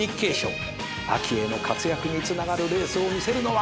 秋への活躍につながるレースを見せるのは。